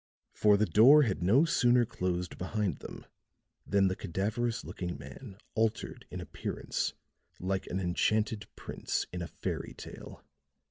For the door had no sooner closed behind him than the cadaverous looking man altered in appearance like an enchanted prince in a fairy tale.